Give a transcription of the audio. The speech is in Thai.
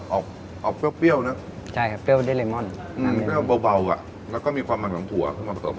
ออกออกเปรี้ยวเนอะใช่ครับเปรี้ยวเดเรมอนมันเปรี้ยวเบาอ่ะแล้วก็มีความมันของถั่วเข้ามาผสม